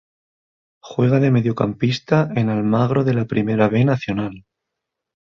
Juega de mediocampista en Almagro de la Primera B Nacional.